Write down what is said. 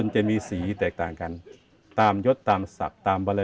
จะมีสีแตกต่างกันตามยศตามศักดิ์ตาม